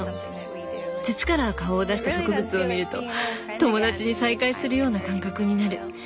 土から顔を出した植物を見ると友達に再会するような感覚になる。